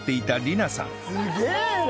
すげえな！